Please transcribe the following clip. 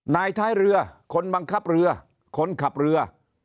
ท้ายเรือคนบังคับเรือคนขับเรือ